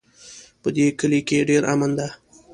په دې کلي کې ډېر امن ده